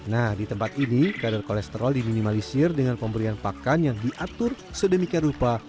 nah di tempat ini kadar kolesterol diminimalisir dengan pemberian pakan yang diatur sedemikian rupa